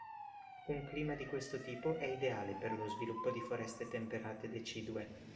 Un clima di questo tipo è ideale per lo sviluppo di foreste temperate decidue.